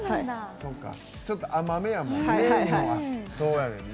ちょっと甘めやもんね。